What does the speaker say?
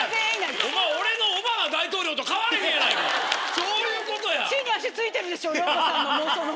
そういうことや。